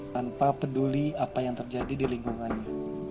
tanpa peduli apa yang terjadi di lingkungannya